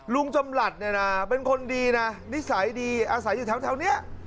ลุงจำหลัดเนี่ยนะเป็นคนดีนะนิสัยดีอาศัยอยู่แถวนี้